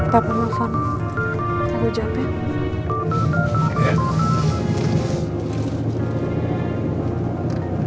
papa maaf aku capek